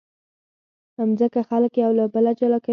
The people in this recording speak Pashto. مځکه خلک یو له بله جلا کوي.